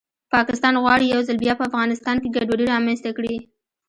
پاکستان غواړي یو ځل بیا په افغانستان کې ګډوډي رامنځته کړي